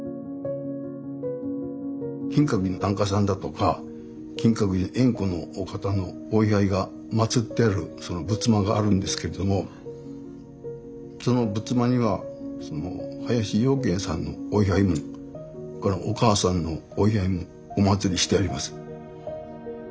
金閣寺の檀家さんだとか金閣寺縁故のお方のお位牌がまつってある仏間があるんですけどもその仏間には林養賢さんのお位牌もそれからお母さんのお位牌もおまつりしてあります。